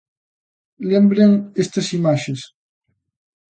Lembren estas imaxes.